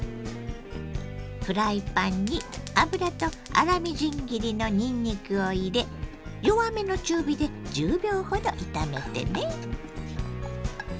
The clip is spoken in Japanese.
フライパンに油と粗みじん切りのにんにくを入れ弱めの中火で１０秒ほど炒めてね。